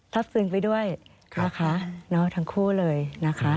ซึ้งไปด้วยนะคะทั้งคู่เลยนะคะ